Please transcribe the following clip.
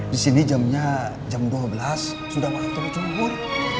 di sini jamnya jam dua belas sudah waktu subur